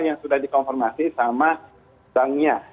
yang sudah dikonfirmasi sama banknya